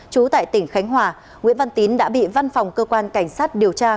trú tại tỉnh khánh hòa nguyễn văn tín đã bị văn phòng cơ quan cảnh sát điều tra